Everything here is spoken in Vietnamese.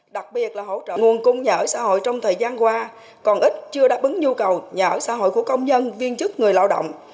đặc biệt là hỗ trợ nguồn cung nhà ở xã hội trong thời gian qua còn ít chưa đáp ứng nhu cầu nhà ở xã hội của công nhân viên chức người lao động